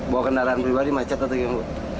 bawa kendaraan pribadi macet atau gimana